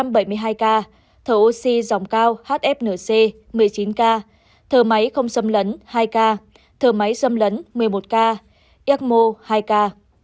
một số bệnh nhân đã thở oxy qua mặt nạ một trăm bảy mươi hai ca thở oxy dòng cao hfnc một mươi chín ca thở máy không xâm lấn hai ca thở máy xâm lấn một mươi một ca ecmo hai ca